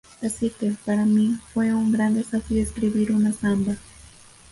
Así que, para mí, fue un gran desafío escribir una samba".